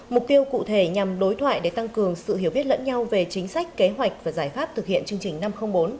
mục tiêu cụ thể nhằm đối thoại để tăng cường sự hiểu biết lẫn nhau về chính sách kế hoạch và giải pháp thực hiện chương trình năm trăm linh bốn